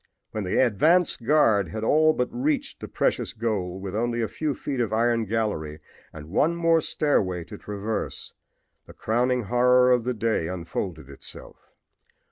When the advance guard had all but reached the precious goal, with only a few feet of iron gallery and one more stairway to traverse, the crowning horror of the day unfolded itself.